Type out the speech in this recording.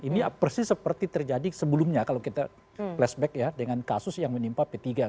ini persis seperti terjadi sebelumnya kalau kita flashback ya dengan kasus yang menimpa p tiga